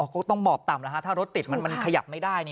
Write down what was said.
ก็ต้องบอกตามละครับถ้ารถติดมันขยับไม่ได้